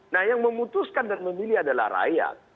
nah yang memutuskan dan memilih adalah rakyat